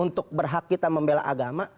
untuk berhak kita membela agama